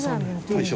大将？